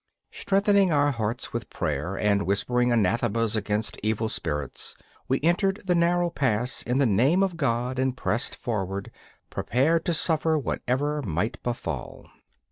Strengthening our hearts with prayer and whispering anathemas against evil spirits, we entered the narrow pass in the name of God, and pressed forward, prepared to suffer whatever might befall.